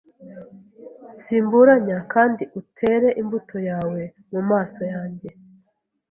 simburanya kandi utere imbuto yawe mumaso yanjye